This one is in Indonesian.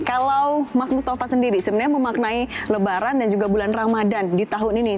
kalau mas mustafa sendiri sebenarnya memaknai lebaran dan juga bulan ramadan di tahun ini